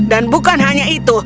dan bukan hanya itu